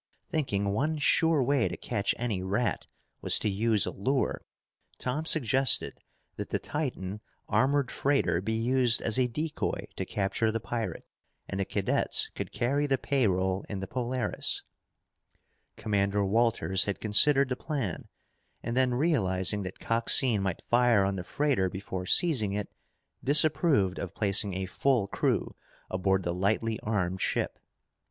Thinking one sure way to catch any rat was to use a lure, Tom suggested that the Titan armored freighter be used as a decoy to capture the pirate, and the cadets could carry the pay roll in the Polaris. Commander Walters had considered the plan, and then realizing that Coxine might fire on the freighter before seizing it, disapproved of placing a full crew aboard the lightly armed ship.